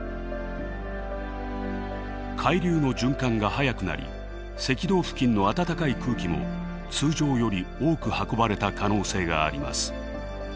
海流の循環が速くなり赤道付近の温かい空気も通常より多く運ばれた可能性があります。